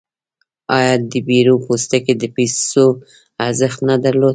آیا د بیور پوستکي د پیسو ارزښت نه درلود؟